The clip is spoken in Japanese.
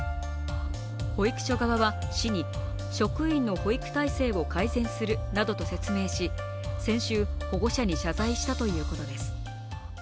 保育所側は市に職員の保育体制を改善するなどと説明し、先週、保護者に謝罪したということです。